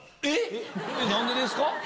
何でですか？